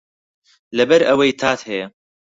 لەبەر ئەوەی تات هەیە